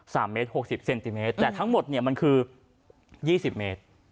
สามเมตรหกสิบเซนติเมตรแต่ทั้งหมดเนี่ยมันคือยี่สิบเมตร